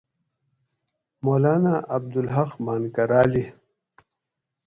مولانا عبدالحق مانکرالی